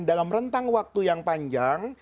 dalam rentang waktu yang panjang